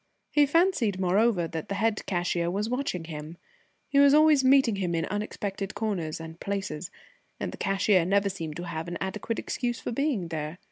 He fancied, moreover, that the head cashier was watching him. He was always meeting him in unexpected corners and places, and the cashier never seemed to have an adequate excuse for being there.